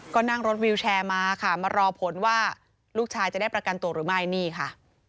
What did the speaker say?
ก็นั่งรถวิวแชร์มาค่ะมารอผลว่าลูกชายจะได้ประกันตัวหรือไม่นี่ค่ะ